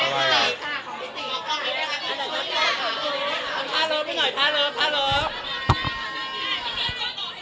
ท่าลง